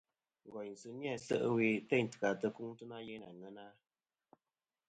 Ngòynsɨ ni-æ se' ɨwe tèyn tɨ ka tɨkuŋtɨ na yeyn àŋena.